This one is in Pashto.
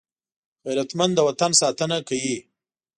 غیرتمند د وطن ساتنه کوي